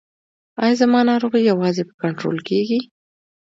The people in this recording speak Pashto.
ایا زما ناروغي یوازې په کنټرول کیږي؟